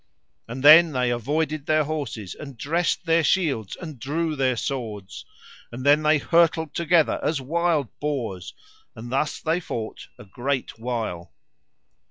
And then they avoided their horses, and dressed their shields, and drew their swords. And then they hurtled together as wild boars, and thus they fought a great while.